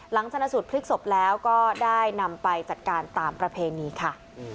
ชนสูตรพลิกศพแล้วก็ได้นำไปจัดการตามประเพณีค่ะ